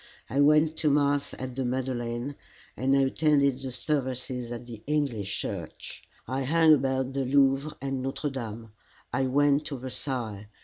I went to mass at the Madeleine, and I attended the services at the English Church. I hung about the Louvre and Notre Dame. I went to Versailles.